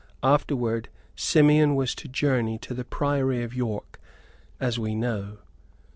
Afterward Simeon was to journey to the Priory of York, as we know.